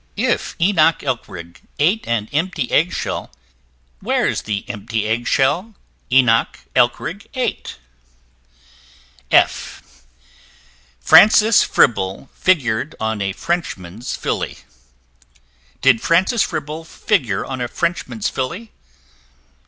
If Enoch Elkrig ate an empty Eggshell, Where's the empty eggshell Enoch Elkrig ate? F f [Illustration: Francis Fribble] Francis Fribble figured on a Frenchman's Filly: Did Francis Fribble figure on a Frenchman's Filly?